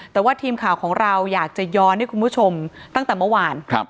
แต่ว่าทีมข่าวของเราอยากจะย้อนให้คุณผู้ชมตั้งแต่เมื่อวาน